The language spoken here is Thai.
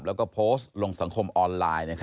และพอสต์รงสังคมออนไลน์